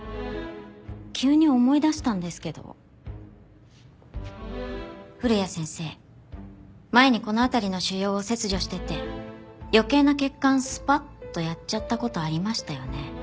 急に思い出したんですけど古谷先生前にこの辺りの腫瘍を切除してて余計な血管スパッとやっちゃった事ありましたよね。